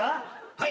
はい。